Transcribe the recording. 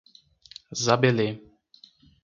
Zabelê